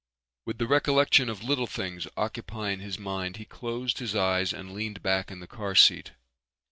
With the recollection of little things occupying his mind he closed his eyes and leaned back in the car seat.